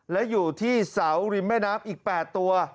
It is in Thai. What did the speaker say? และอยู่ที่เสาริมแม่น้ำอีก๘ตัว